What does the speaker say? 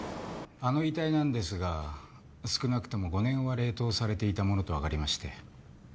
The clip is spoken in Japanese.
あの遺体なんですが少なくとも５年は冷凍されていたものと分かりまして。